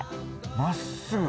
まっすぐ。